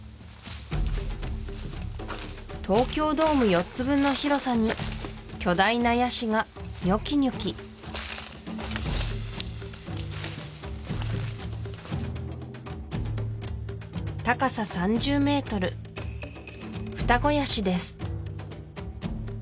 東京ドーム４つ分の広さに巨大なヤシがニョキニョキ高さ３０ｍフタゴヤシです